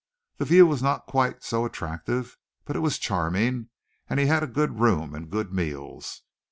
The view was not quite so attractive, but it was charming, and he had a good room and good meals.